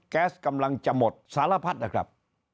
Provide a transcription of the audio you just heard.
แก๊สกำลังจะหมดสารพัดนะครับ